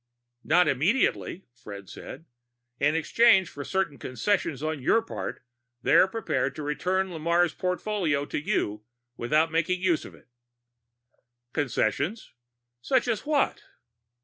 "Not immediately," Fred said. "In exchange for certain concessions on your part, they're prepared to return Lamarre's portfolio to you without making use of it." "Concessions? Such as what?"